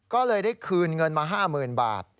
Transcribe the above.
ก็เลยได้คืนเงินมา๕๐๐๐บาท